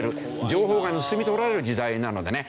情報が盗み取られる時代なのでね